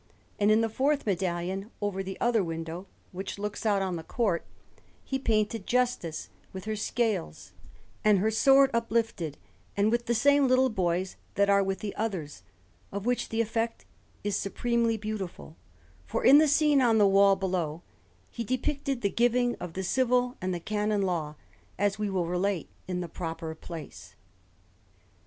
And in the fourth medallion, over the other window, which looks out on the court, he painted Justice with her scales, and her sword uplifted, and with the same little boys that are with the others; of which the effect is supremely beautiful, for in the scene on the wall below he depicted the giving of the Civil and the Canon Law, as we will relate in the proper place.